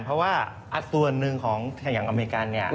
เพราะว่าส่วนหนึ่งของอย่างอเมริกันเนี่ย